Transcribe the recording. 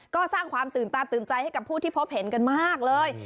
ก็สร้างความตื่นตาตื่นใจให้กับผู้ที่พบเห็นกันมากเลย